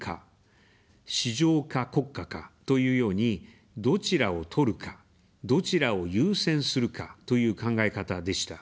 「市場か国家か」、というように、どちらを取るか、どちらを優先するか、という考え方でした。